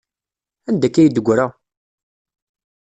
Anda akka ay d-teggra?